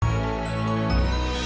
terima kasih om